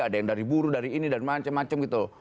ada yang dari buru dari ini dan macem macem gitu